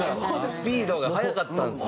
スピードが速かったんですね。